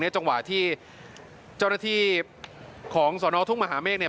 จังหวะที่เจ้าหน้าที่ของสนทุ่งมหาเมฆเนี่ย